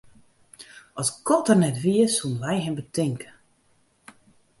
As God der net wie, soenen wy him betinke.